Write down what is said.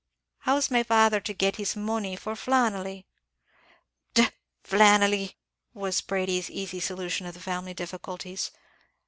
How's my father to get this money for Flannelly?" "D n Flannelly!" was Brady's easy solution of the family difficulties.